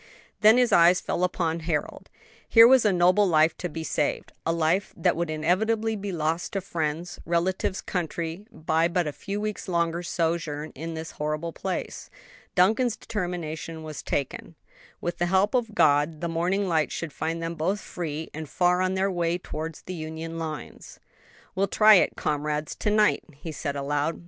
Then his eye fell upon Harold. Here was a noble life to be saved; a life that would inevitably be lost to friends, relatives, country, by but a few weeks' longer sojourn in this horrible place. Duncan's determination was taken: with the help of God the morning light should find them both free and far on their way towards the Union lines. "We'll try it, comrades, to night," he said aloud.